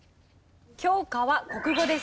教科は国語です。